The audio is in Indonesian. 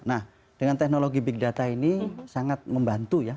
nah dengan teknologi big data ini sangat membantu ya